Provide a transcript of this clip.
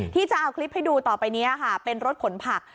ที่จะเอาคลิปให้ดูต่อไปนี้ค่ะเป็นรถขนผัก